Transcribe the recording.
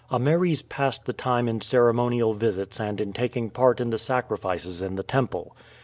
Ameres passed the time in ceremonial visits and in taking part in the sacrifices in the temple.